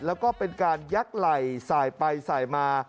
แล้วก็เป็นการยักหล่ายใส่ไปใส่มา